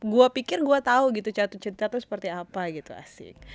gue pikir gue tau gitu jatuh cinta tuh seperti apa gitu asik